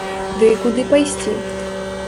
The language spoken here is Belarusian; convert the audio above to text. Ды і куды пайсці?